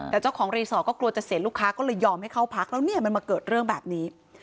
แต่เจ้าของรีสอร์ทก็กลัวจะเสียลูกค้าก็เลยยอมให้เข้าพักแล้วเนี่ยมันมาเกิดเรื่องแบบนี้